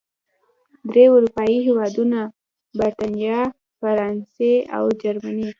درې اروپايي هېوادونو، بریتانیا، فرانسې او جرمني